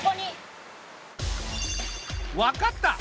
分かった！